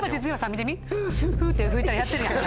フフフって吹いたらやってるやん。